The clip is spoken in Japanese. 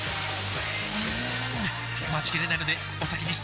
うーん待ちきれないのでお先に失礼！